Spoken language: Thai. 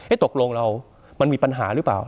ตกลงเรามันมีปัญหาหรือเปล่า